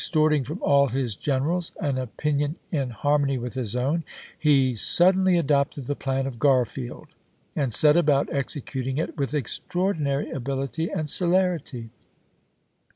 toi'ting from all his generals an opinion in harmony with his own, he suddenly adopted the plan of G arfield, and set about executing it with extraor dinary ability and celerity.